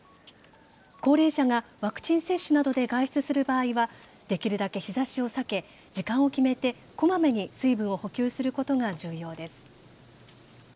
高齢者がワクチン接種などで外出する場合はできるだけ日ざしを避け時間を決めてこまめに水分を補給することが重要です。